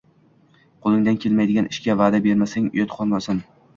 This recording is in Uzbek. Qo’lingdan kelmaydigan ishga va’da bersang, uyatga qolasan.